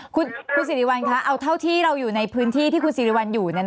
คุณสิริวัลคะเอาเท่าที่เราอยู่ในพื้นที่ที่คุณสิริวัลอยู่